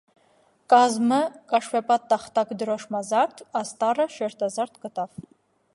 Կազմը՝ կաշվեպատ տախտակ դրոշմազարդ, աստառը՝ շերտազարդ կտավ։